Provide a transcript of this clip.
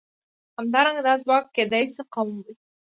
همدارنګه دا ځواک کېدای شي قوم وي.